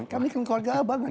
kami kan keluarga abangan